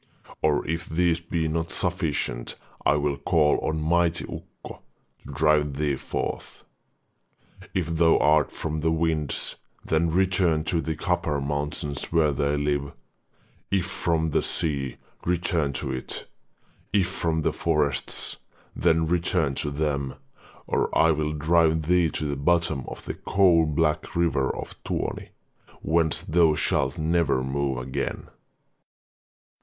Or if these be not sufficient, I will call on mighty Ukko to drive thee forth. If thou art from the winds, then return to the copper mountains where they live; if from the sea, return to it; if from the forests, then return to them, or I will drive thee to the bottom of the coal black river of Tuoni, whence thou shalt never move again.'